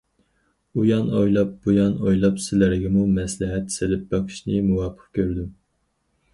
ئۇيان ئويلاپ، بۇيان ئويلاپ سىلەرگىمۇ مەسلىھەت سېلىپ بېقىشنى مۇۋاپىق كۆردۈم.